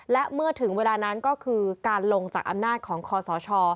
และเมื่อถึงเวลานั้นก็คือการลงจากอำนาจของคอสช